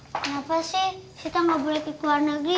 kenapa sih kita gak boleh pergi ke luar negeri